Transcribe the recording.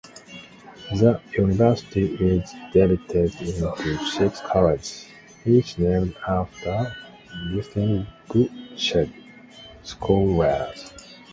The University is divided into six colleges, each named after distinguished scholars.